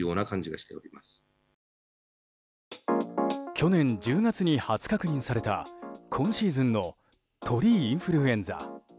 去年１０月に初確認された今シーズンの鳥インフルエンザ。